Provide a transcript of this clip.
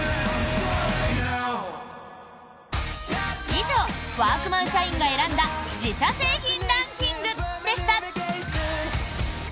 以上、ワークマン社員が選んだ自社製品ランキングでした！